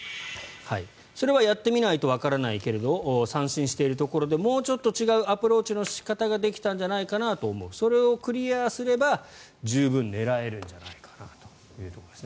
それはやってみないとわからないけれど三振しているところでもうちょっと違うアプローチの仕方ができたんじゃないかなと思うそれをクリアすれば十分狙えるんじゃないかというところです。